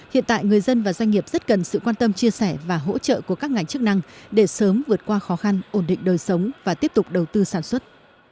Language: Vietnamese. hiện tại người dân và doanh nghiệp rất cần sự quan tâm chia sẻ và hỗ trợ của các ngành chức năng để sớm vượt qua khó khăn ổn định đời sống và tiếp tục đầu tư sản xuất